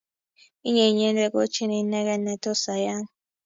Inye inyendet ko chi ineke ne tos ayan